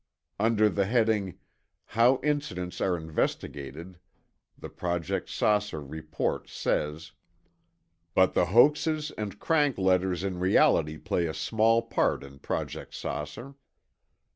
Under the heading "How Incidents Are Investigated," the Project "Saucer" report says: But the hoaxes and crank letters in reality play a small part in Project "Saucer."